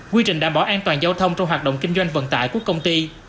quy trình đảm bảo an toàn giao thông trong hoạt động kinh doanh vận tải của công ty